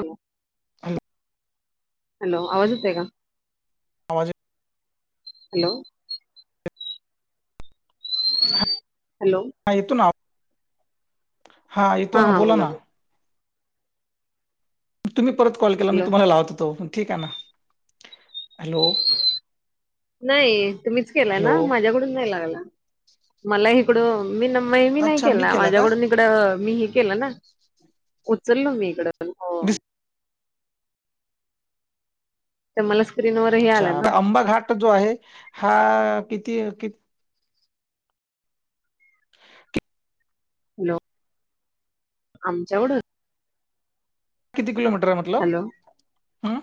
हो. Hello, hello आवाज येतय का? आवाजे, हॅलो. ह. [inaudible] हा येतो ना आ हा येतो ना बोला ना तुम्ही, परत कॉल केला मी हॅलो तुम्हालावत तो ठीक आहे ना. हॅलो नाही तुम्हीच केलाय हॅलो ना माझ्याकडून नाही लागला. मला इकडं, मी म मी नाही केला माझ्याकडून इकडं मी हे केलं ना उत सलू मीकडे हो. दिस तर मला सा अच्छा तर अंबा घाट जो आहे हा किती कि की, हॅलो आमच्यावडं, किती किलोमीटर आहे मतल हॅलो हम?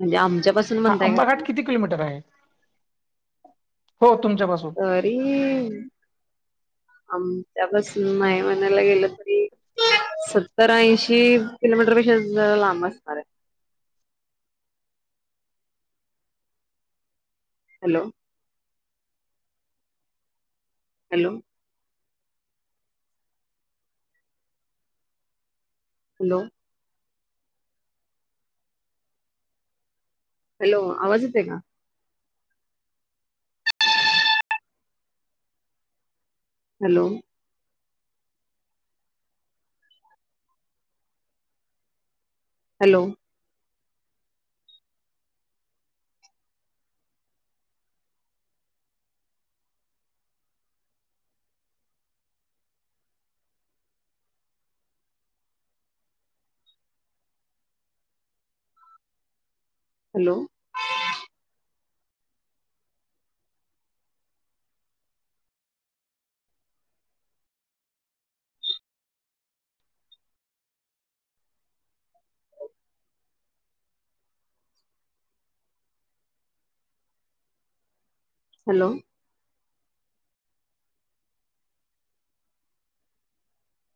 म्हणजे आमच्या, हा अंबाघाट किती किलोमीटर आहे? हो. तुमच्यापासून तरी आमच्यापासून नाही म्हणायला गेलं तरी, सत्तर ऐंशी किलोमीटर पेक्षा लांब असणार आहे. हॅलो, हॅलो, हॅलो, हॅलो आवाज येतय का? Hello, hello, hello, hello,